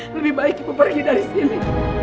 lebih baik kita pergi dari sini